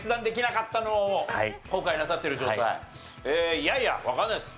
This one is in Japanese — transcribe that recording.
いやいやわかんないです。